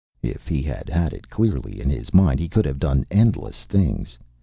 If he had had it clearly in his mind he could have done endless things.